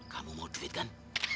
kamu mau duit kan